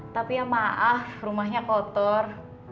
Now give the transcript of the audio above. tapi ya maaf rumahnya kotor